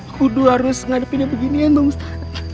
kudu harus ngadepinnya beginian dong ustadz